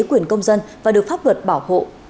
quyền công dân và được pháp luật bảo hộ